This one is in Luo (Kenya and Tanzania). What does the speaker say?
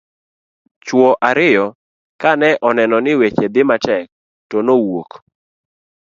chuwo ariyo ka kane oneno ni weche dhi matek to nowuok